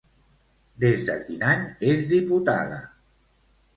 Des de quin any és diputada?